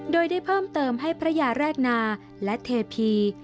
โดยได้เพิ่มเติมให้พระยาแรกนาและเทพี